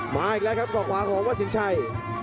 มาอีกแล้วครับศอกขวาของวัดสินชัย